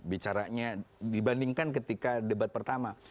bicaranya dibandingkan ketika debat pertama